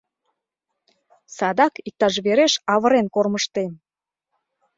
— Садак иктаж вереш авырен кормыжтем!